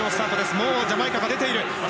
もうジャマイカが出ている。